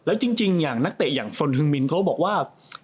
แล้วจริงอย่างนักเตะอย่างฟนฮึงมินเขาบอกว่า